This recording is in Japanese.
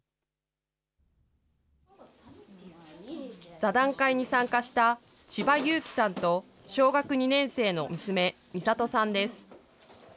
座談会に参加した千葉友紀さんと小学２年生の娘、美里さんです。